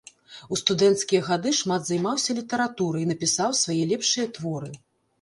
У студэнцкія гады шмат займаўся літаратурай, напісаў свае лепшыя творы.